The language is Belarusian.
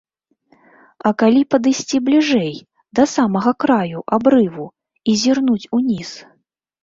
А калі падысці бліжэй, да самага краю абрыву, і зірнуць уніз?